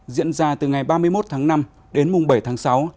diễn ra từ ngày ba mươi một tháng năm đến mùng bảy tháng sáu